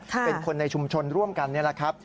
เป็นคนในชุมชนร่วมกันนี่แหละครับ